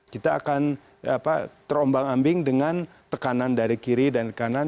kita akan terombang ambing dengan tekanan dari kiri dan kanan